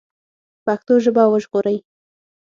پښتو ژبه وژغورئ